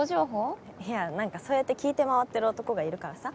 いやなんかそうやって聞いて回ってる男がいるからさ。